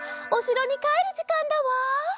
おしろにかえるじかんだわ。